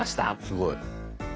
すごい。